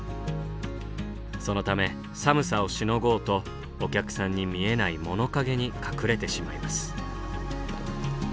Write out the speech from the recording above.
そのため寒さをしのごうとお客さんに見えない物陰に隠れてしまいます。